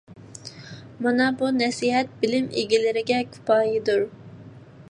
مانا بۇ نەسىھەت بىلىم ئىگىلىرىگە كۇپايىدۇر.